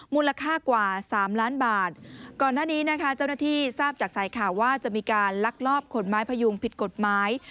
มูลค่ากว่าสามล้านบาทก่อนหน้านี้นะคะเจ้าหน้าที่ทราบจากสายข่าวว่าจะมีการลักลอบขนไม้พยุงผิดกฎหมาย